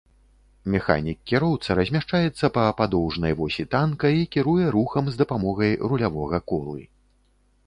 Механік-кіроўца размяшчаецца па падоўжнай восі танка і кіруе рухам з дапамогай рулявога колы.